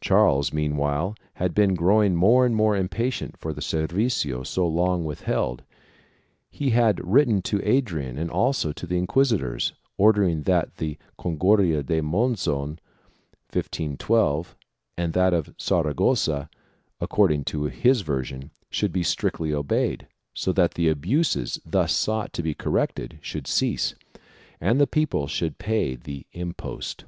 Charles meanwhile had been growing more and more impatient for the servicio so long withheld; he had written to Adrian and also to the inquisitors, ordering that the Concordia of Monzon (1512) 282 THE KINGDOMS OF ARAGON [BOOK I and that of Saragossa, according to his version, should be strictly obeyed, so that the abuses thus sought to be corrected should cease and the people should pay the impost.